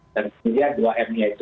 dan kemudian dua m nya itu